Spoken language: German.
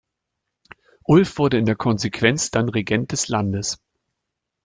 Ulf wurde in der Konsequenz dann Regent des Landes.